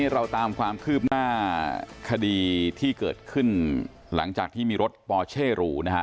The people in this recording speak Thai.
เราตามความคืบหน้าคดีที่เกิดขึ้นหลังจากที่มีรถปอเช่หรูนะฮะ